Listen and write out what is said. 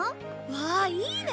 わあいいね。